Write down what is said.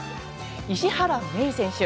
石原愛依選手。